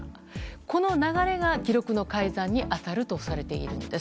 この流れが記録の改ざんに当たるとされているんです。